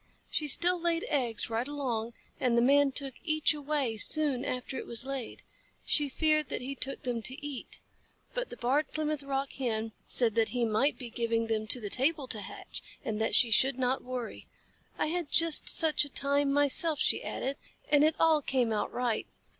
She still laid eggs right along, and the Man took each away soon after it was laid. She feared that he took them to eat, but the Barred Plymouth Rock Hen said that he might be giving them to the table to hatch, and that she should not worry. "I had just such a time myself," she added, "and it all came out right.